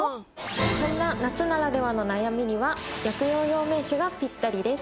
そんな夏ならではの悩みには薬用養命酒がピッタリです。